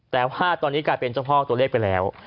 แต่ว่าตอนนี้กลายเป็นเจ้าพ่อตัวเลขไปแล้ว